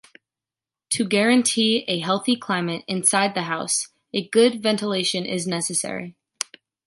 To guarantee a healthy climate inside the house, a good ventilation is necessary.